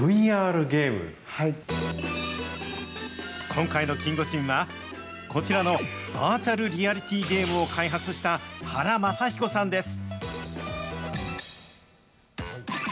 今回のキンゴジンは、こちらのバーチャルリアリティーゲームを開発した原正彦さんです。